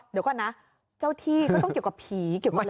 เดี๋ยวก่อนนะเจ้าที่ก็ต้องเกี่ยวกับผีเกี่ยวกับอะไร